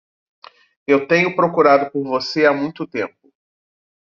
Eu tenho procurado por você há muito tempo.